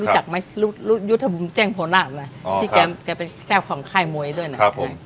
รู้จักไหมยุทธภูมิแจ้งโผน่าอ๋อครับที่แกเป็นแก้วของค่ายมวยด้วยน่ะครับผม